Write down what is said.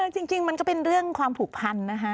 จริงมันก็เป็นเรื่องความผูกพันนะคะ